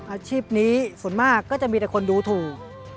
อาชีพนี้ส่วนมากก็จะมีแต่คนดูถูก